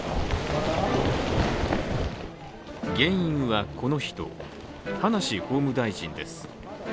原因はこの人、葉梨法務大臣です。